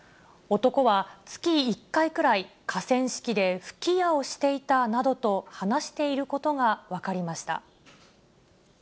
男は月１回くらい、河川敷で吹き矢をしていたなどと話していることが分かりました。